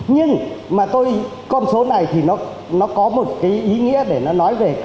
nhưng mà tôi con số này thì nó có một cái ý nghĩa để nó nói về